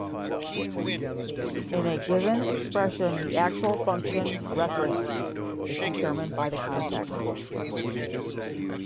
In a given expression, the actual function referenced is determined by the context.